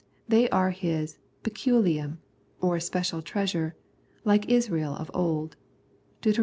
They are His ^eculium, or special treasure, like Israel of old (Deut.